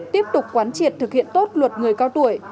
tiếp tục quán triệt thực hiện tốt luật người cao tuổi